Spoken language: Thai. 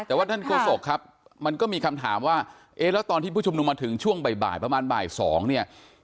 แต่ว่าท่านโฆษกครับมันก็มีคำถามว่าเอ๊ะแล้วตอนที่ผู้ชุมนุมมาถึงช่วงบ่ายประมาณบ่าย๒เนี่ย